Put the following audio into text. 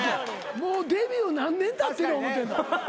もうデビュー何年たってる思うてんの？